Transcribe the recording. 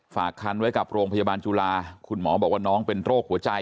ฝากคันไว้กับโรงพยาบาลจุฬาคุณหมอบอกว่าน้องเป็นโรคหัวใจ